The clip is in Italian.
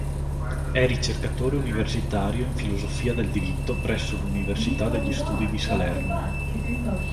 È ricercatore universitario in filosofia del diritto presso l’Università degli Studi di Salerno.